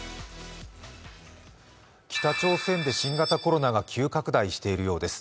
北朝鮮で新型コロナが急拡大しているようです。